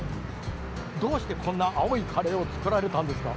どうしてこんな青いカレーをつくられたんですか？